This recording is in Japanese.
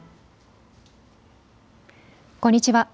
こんにちは。